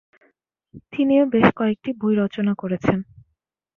তিনিও বেশ কয়েকটি বই রচনা করেছেন।